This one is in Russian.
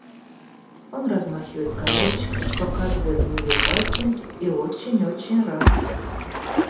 Он размахивает коробочкой, показывает на неё пальцем и очень очень рад.